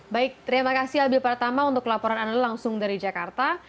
baik terima kasih albi pertama untuk laporan anda langsung dari jakarta